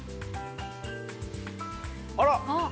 あら！